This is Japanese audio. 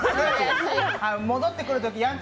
戻ってくるときやん